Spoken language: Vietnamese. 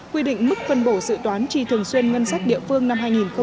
quy định mức phân bổ sự toán trì thường xuyên ngân sách địa phương năm hai nghìn một mươi bảy